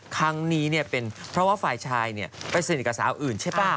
ครั้งนี้เป็นเพราะว่าฝ่ายชายไปสนิทกับสาวอื่นใช่ป่ะ